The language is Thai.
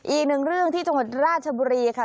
อีกหนึ่งเรื่องที่จังหวัดราชบุรีค่ะ